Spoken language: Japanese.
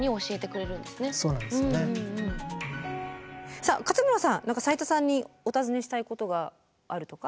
さあ勝村さん何か斉田さんにお尋ねしたいことがあるとか？